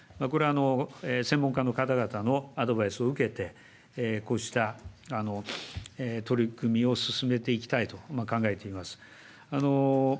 これ、専門家の方々のアドバイスを受けて、こうした取り組みを進めていきたいと考えています。